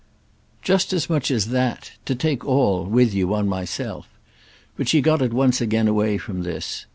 "Just as much as that—to take all, with you, on myself." But she got at once again away from this.